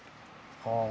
はあ。